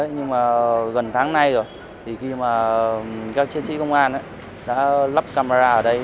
nhưng mà gần tháng nay rồi thì khi mà các chiến sĩ công an đã lắp camera ở đây